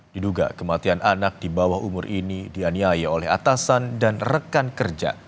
diduga kematian anak di bawah umur ini dianiaya oleh atasan dan rekan kerja